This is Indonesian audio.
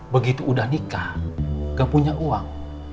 begitu udah nikah gak punya uang